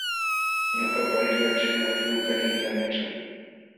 Ñuqapa yulaq china allquu kaniytam yaćhan